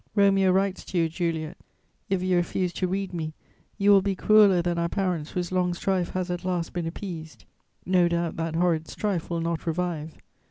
_ "Romeo writes to you, Juliet: if you refuse to read me, you will be crueller than our parents whose long strife has at last been appeased; no doubt that horrid strife will not revive.